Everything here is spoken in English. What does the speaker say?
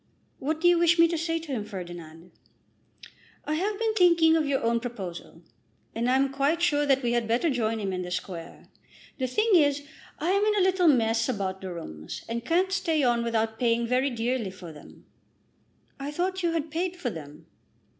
"What do you wish me to say to him, Ferdinand?" "I have been thinking of your own proposal, and I am quite sure that we had better join him in the Square. The thing is, I am in a little mess about the rooms, and can't stay on without paying very dearly for them." "I thought you had paid for them."